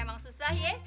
emang susah ye